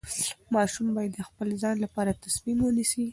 ماشوم باید د خپل ځان لپاره تصمیم ونیسي.